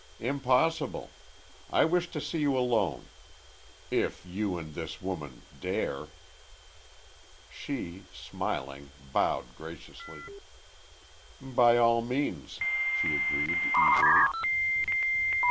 "Impossible.... I wish to see you alone if you, and this woman dare." She, smiling, bowed, graciously. "By all means," she agreed, easily.